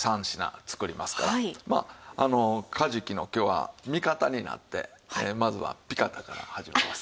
まあカジキの今日は味方になってまずはピカタから始めます。